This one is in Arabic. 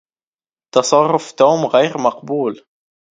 تصرف توم غير مقبول.